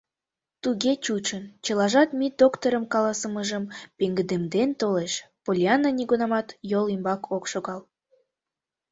Туге чучын: чылажат Мид доктырым каласымыжым пеҥгыдемден толеш — Поллианна нигунамат йол ӱмбак ок шогал.